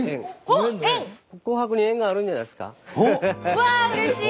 うわうれしい！